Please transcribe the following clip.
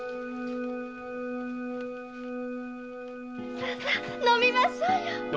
さあ飲みましょうよ。